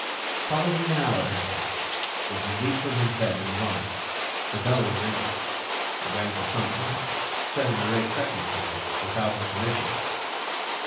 Probably an hour had passed, when he leaped from his bed in alarm. The bell was ringing. It rang for some time, seven or eight seconds perhaps, without intermission.